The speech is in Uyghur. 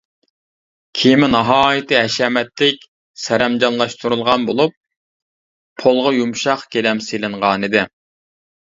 كېمە ناھايىتى ھەشەمەتلىك سەرەمجانلاشتۇرۇلغان بولۇپ، پولغا يۇمشاق گىلەم سېلىنغانىدى.